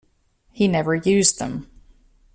He never used them.